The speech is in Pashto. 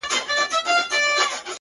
زړه یوسې او پټ یې په دسمال کي کړې بدل _